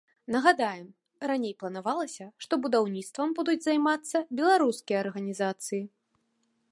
Нагадаем, раней планавалася, што будаўніцтвам будуць займацца беларускія арганізацыі.